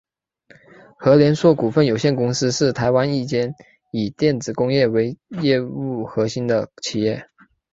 禾联硕股份有限公司是台湾一间以电子工业为业务核心的企业。